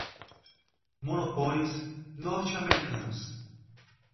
monopólios norte-americanos